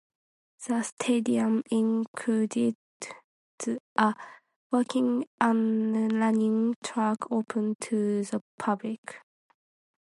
The stadium includes a walking and running track open to the public.